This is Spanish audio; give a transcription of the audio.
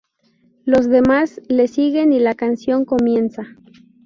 Los demás le siguen y la canción comienza.